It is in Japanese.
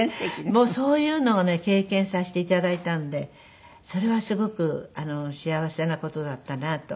もうそういうのをね経験させて頂いたんでそれはすごく幸せな事だったなと。